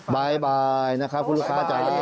บ๊ายบายนะครับคุณลูกค้าจ๊ะ